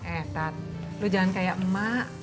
eh tat lo jangan kayak mak